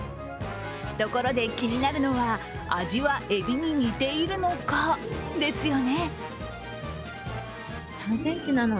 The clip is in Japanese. ところで気になるのは、味はえび似ているのかですよね？